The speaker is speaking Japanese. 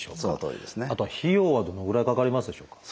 あとは費用はどのぐらいかかりますでしょうか？